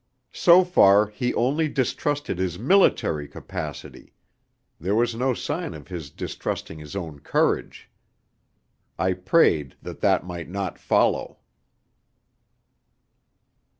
So far he only distrusted his military capacity; there was no sign of his distrusting his own courage. I prayed that that might not follow.